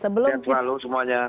sehat selalu semuanya